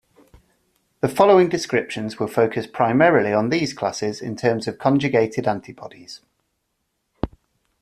The following descriptions will focus primarily on these classes in terms of conjugated antibodies.